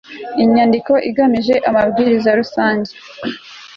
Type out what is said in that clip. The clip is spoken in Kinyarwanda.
inyandiko igamije amabwiriza rusange